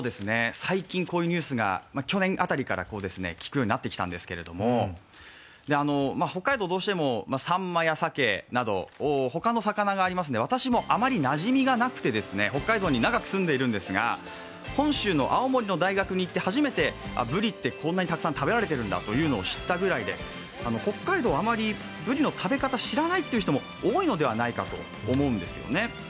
最近こういうニュースが、去年辺りから聞くようになったんですけど、北海道、どうしてもサンマやサケなどほかの魚がありますので、私もあまりなじみがなくてですね、北海道に長く住んでいるんですが、本州の青森の大学に行って初めてブリってこんなにたくさん食べられているんだと知ったぐらいで北海道はあまりブリの食べ方を知らないっていう人も多いんじゃないかなって思うんですよね。